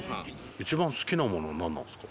一番好きなもの何なんですか？